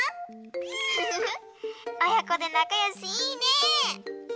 フフフおやこでなかよしいいね！